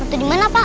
hantu dimana pak